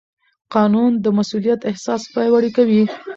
قانون د مسوولیت احساس پیاوړی کوي.